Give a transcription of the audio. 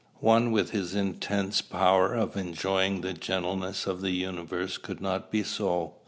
One with his intense power of enjoying the gentleness of the universe could not be so.